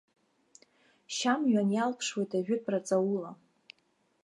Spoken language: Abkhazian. Шьамҩан иалԥшуеит ажәытәра ҵаула.